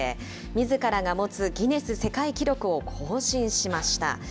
みずからが持つギネス世界記録を更新しました。